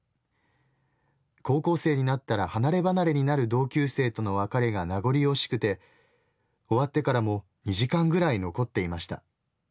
高校生になったら離れ離れになる同級生との別れが名残惜しくて終わってからも２時間ぐらい残っていました。